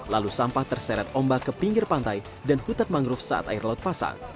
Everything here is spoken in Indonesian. lalu sampah terseret ombak ke pinggir pantai dan hutan mangrove saat air laut pasang